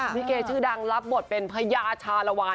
ลิเกชื่อดังรับบทเป็นพญาชาลวาน